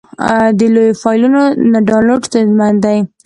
د لویو فایلونو نه ډاونلوډ ستونزمن دی.